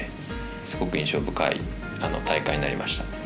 すごく印象深い大会になりました。